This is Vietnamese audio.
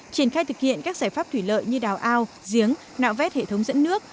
triển khai thực hiện các giải pháp thủy lợi như đào ao giếng nạo vét hệ thống dẫn nước